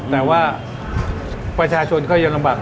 แต่ว่าประชาชนก็ยังลำบาก